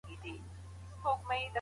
زه اوږده وخت د موسیقۍ زده کړه کوم وم.